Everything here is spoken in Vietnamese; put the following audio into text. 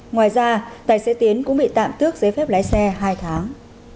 ngoài ra tài xế tiến cũng bị tạm tước giấy phép lái xe hai tháng